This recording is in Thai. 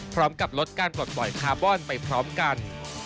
พร้อมกับลดการปลดปล่อยคาร์บอนไปพร้อมกัน